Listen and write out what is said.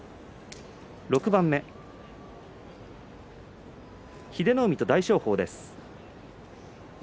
６番目、英乃海と大翔鵬です。